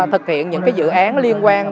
thực hiện những dự án liên quan